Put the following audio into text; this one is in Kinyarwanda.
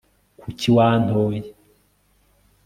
kuki wantoye